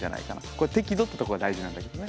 これ適度ってところが大事なんだけどね。